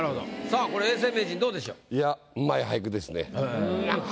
さあこれ永世名人どうでしょう？